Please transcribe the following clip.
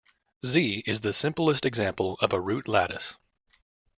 Z is the simplest example of a root lattice.